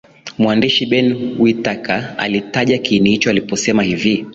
Mwandishi Ben Whitaker alitaja kiini hicho aliposema hivi